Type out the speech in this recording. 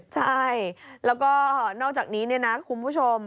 ใช่แล้วก็นอกจากนี้เนี่ยนะคุณผู้ชม